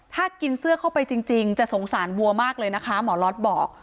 ถ้ากินเสื้อเข้าไปจริงจะสงสารวัวมากเลยนะคะหมอล็อตบอก